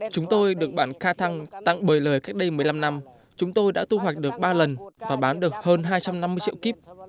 chúng tôi được bản ca tăng tăng bời lời cách đây một mươi năm năm chúng tôi đã tu hoạch được ba lần và bán được hơn hai trăm năm mươi triệu kíp